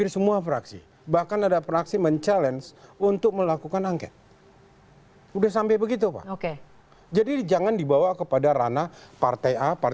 semuanya itu kalau dianggap tidak sah